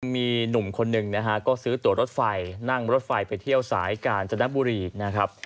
มีหนุ่มคนหนึ่งนะฮะก็ซื้อตัวรถไฟนั่งรถไฟไปเที่ยวสายกาญจนบุรีนะครับ